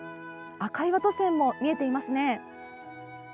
赤岩渡船も見えていますね。